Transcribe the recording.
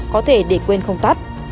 có thể để quên không tắt